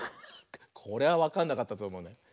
これはわかんなかったとおもうな。